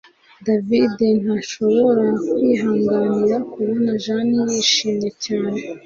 David ntashobora kwihanganira kubona Jane yishimye cyane